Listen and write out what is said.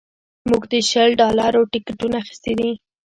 موږ د شل ډالرو ټکټونه اخیستي دي